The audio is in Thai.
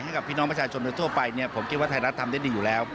ให้กับพี่น้องประชาชนโดยทั่วไปเนี่ยผมคิดว่าไทยรัฐทำได้ดีอยู่แล้ว